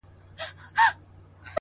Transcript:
ه مړ يې که ژونديه ستا، ستا خبر نه راځي،